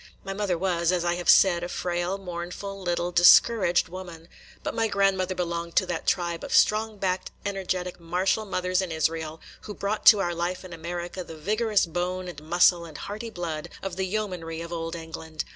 My mother was, as I have said, a frail, mournful, little, discouraged woman; but my grandmother belonged to that tribe of strong backed, energetic, martial mothers in Israel, who brought to our life in America the vigorous bone and muscle and hearty blood of the yeomanry of Old England.